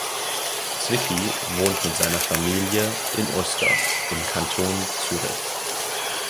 Zwicky wohnt mit seiner Familie in Uster im Kanton Zürich.